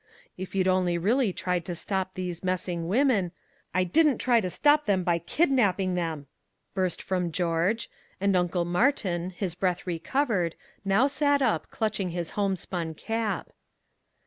If you'd only really tried to stop these messing women " "I didn't try to stop them by kidnapping them!" burst from George and Uncle Martin, his breath recovered, now sat up, clutching his homespun cap.